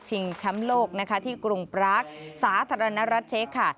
ชิงช้ำโลกที่กรุงปรักษณ์สาธารณรัฐเชษค่ะ